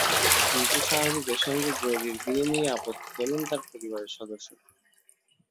কিন্তু শাহরুখের সঙ্গে গৌরীর বিয়ে নিয়ে আপত্তি তোলেন তাঁর পরিবারের সদস্যরা।